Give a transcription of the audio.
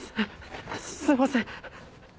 すすいません。